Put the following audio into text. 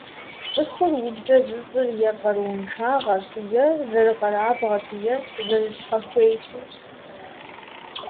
ЦӀыхур убзэ зыщӀыр е и къарууншагъэрщ, е зэрыкъэрабгъэрщ, е зэрыщхьэхуещэрщ.